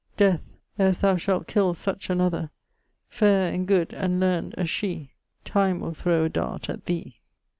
Death! er'st thou shalt kill such another Fair and good and learn'd as shee, Time will throw a dart at thee.